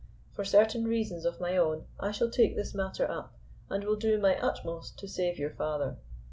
For certain reasons of my own I shall take this matter up, and will do my utmost to save your father.